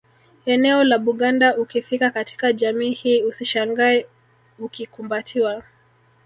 Eneo la Buganda ukifika katika jamii hii usishangae ukikumbatiwa